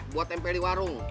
buat tempel di warung